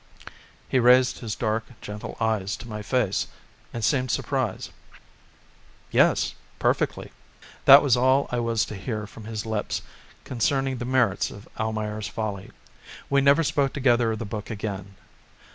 He raised his dark, gentle eyes to my face and seemed surprised. "Yes! Perfectly." This was all I was to hear from his lips concerning the merits of "Almayer's Folly." We never spoke together of the book again.